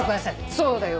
そうだよ。